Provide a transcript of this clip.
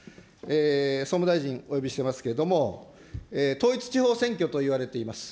総務大臣、お呼びしていますけれども、統一地方選挙といわれています。